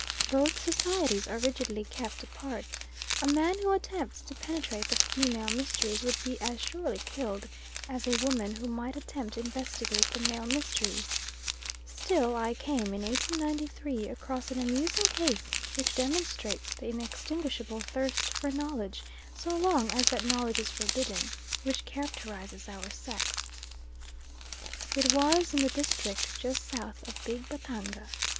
Both societies are rigidly kept apart. A man who attempts to penetrate the female mysteries would be as surely killed as a woman who might attempt to investigate the male mysteries; still I came, in 1893, across an amusing case which demonstrates the inextinguishable thirst for knowledge, so long as that knowledge is forbidden, which characterises our sex. It was in the district just south of Big Batanga.